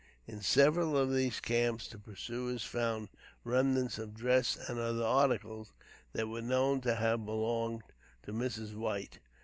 In several of these camps the pursuers found remnants of dress and other articles, that were known to have belonged to Mrs. White.